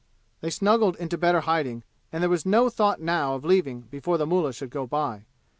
They snuggled into better hiding, and there was no thought now of leaving before the mullah should go by.